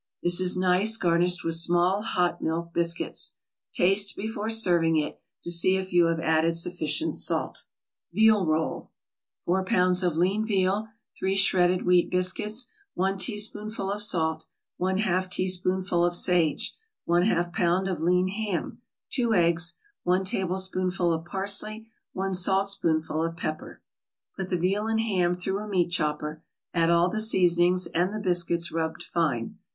This is nice garnished with small hot milk biscuits. Taste before serving it, to see if you have added sufficient salt. VEAL ROLL 4 pounds of lean veal 3 shredded wheat biscuits 1 teaspoonful of salt 1/2 teaspoonful of sage 1/2 pound of lean ham 2 eggs 1 tablespoonful of parsley 1 saltspoonful of pepper Put the veal and ham through a meat chopper, add all the seasonings, and the biscuits rubbed fine.